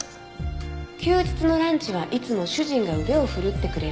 「休日のランチはいつも主人が腕をふるってくれる」